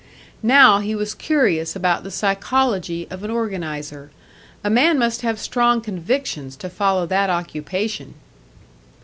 Now he was curious about the psychology of an organiser. A man must have strong convictions to follow that occupation!